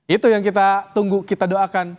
itu yang kita tunggu kita doakan